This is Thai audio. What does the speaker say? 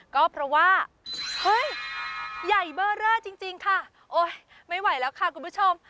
ก็เพราะว่าเฮ้ยใหญ่เบอร์เรอจริงค่ะโอ๊ยไม่ไหวแล้วค่ะคุณผู้ชม